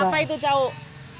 apa itu cawuk